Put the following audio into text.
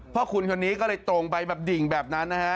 พ่อคุณคนนี้ก็เลยตรงไปแบบดิ่งแบบนั้นนะฮะ